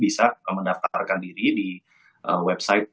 bisa mendaftarkan diri di website